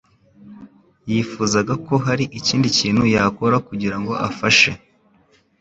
yifuzaga ko hari ikindi kintu yakora kugirango afashe.